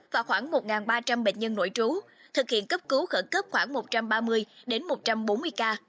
và khoảng một ba trăm linh bệnh nhân nội trú thực hiện cấp cứu khẩn cấp khoảng một trăm ba mươi đến một trăm bốn mươi ca